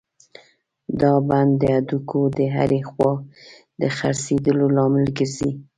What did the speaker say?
دا بند د هډوکو د هرې خوا د څرخېدلو لامل ګرځي.